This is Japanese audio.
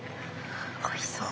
おいしそう。